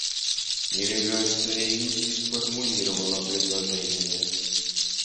Делегация Индии сформулировала предложение.